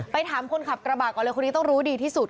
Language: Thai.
ถามคนขับกระบาดก่อนเลยคนนี้ต้องรู้ดีที่สุด